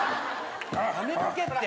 やめとけって。